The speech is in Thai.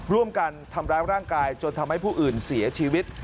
ร่วมกันทำร้ายร่างกายจนทำให้ผู้อื่นเสียชีวิต